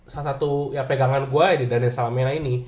satu pegangan gua di daniel salamena ini